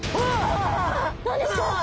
何ですか！？